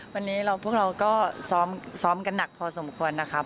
วันนี้พวกเราก็ซ้อมกันหนักพอสมควรนะครับ